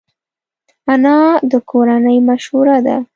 انا د کورنۍ مشوره ده